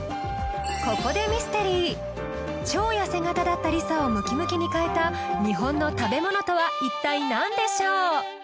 ここでミステリー超痩せ形だったリサをムキムキに変えた日本の食べ物とは一体何でしょう？